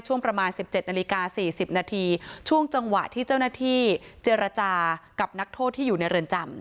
ช่วงประมาณ๑๗นาฬิกา๔๐นาทีช่วงจังหวะที่เจ้าหน้าที่เจรจากับนักโทษที่อยู่ในเรือนจำ